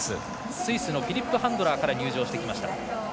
スイスのフィリップ・ハンドラーから入場してきました。